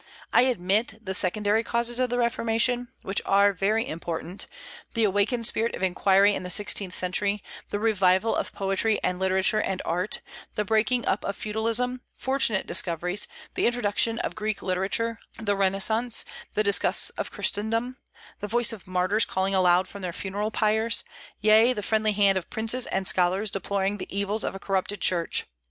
I admit the secondary causes of the Reformation, which are very important, the awakened spirit of inquiry in the sixteenth century, the revival of poetry and literature and art, the breaking up of feudalism, fortunate discoveries, the introduction of Greek literature, the Renaissance, the disgusts of Christendom, the voice of martyrs calling aloud from their funeral pyres; yea, the friendly hand of princes and scholars deploring the evils of a corrupted Church.